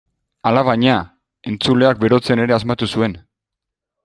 Alabaina, entzuleak berotzen ere asmatu zuen.